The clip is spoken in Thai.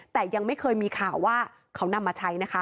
แต่ยังไม่เคยมีข่าวว่าเขานำมาใช้นะคะ